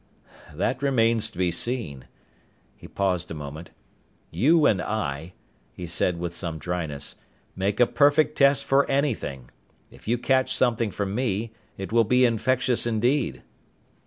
"That remains to be seen." He paused a moment. "You and I," he said with some dryness, "make a perfect test for anything. If you catch something from me, it will be infectious indeed!"